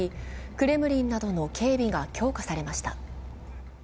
クレムリンなどの警備が強化されました。